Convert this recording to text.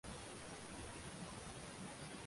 Bakovul uloqni qoralikdan xolisga olib borib tashladi.